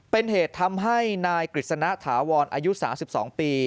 เป็นเหตุทำให้นายกฤษณะถาวรอายุ๓๒ปี